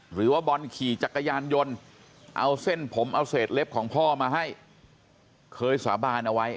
หรือว่าบอลขี่จักรยานยนต์เอาเส้นผมเอาเศษเล็บของพ่อมาให้เคยสาบานเอาไว้